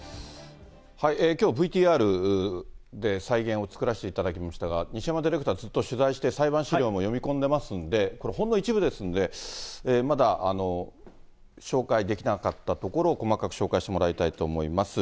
きょう、ＶＴＲで再現を作らせていただきましたが、西山ディレクター、ずっと取材して、裁判資料も読み込んでいますので、これほんの一部ですんで、まだ紹介できなかったところ、細かく紹介してもらいたいと思います。